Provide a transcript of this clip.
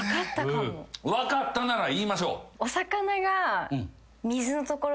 分かったなら言いましょう。